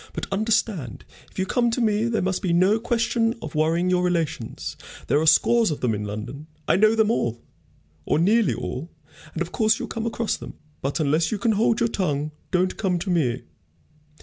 But understand, if you come to me, there must be no question of worrying your relations. There are scores of them in London. I know them all, or nearly all, and of course you'll come across them. But unless you can hold your tongue, don't come to me.